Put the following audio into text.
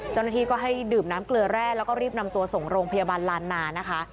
เจ้าหน้าที่ก็ให้ดื่มน้ำเกลือแร่แล้วก็รีบนำตัวส่งโรงพยาบาลลานนานะคะ